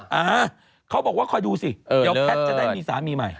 อ่าเขาบอกว่าคอยดูสิเดี๋ยวแพทย์จะได้มีสามีใหม่